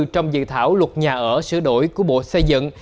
trong dự thảo luật nhà ở sửa đổi của bộ xây dựng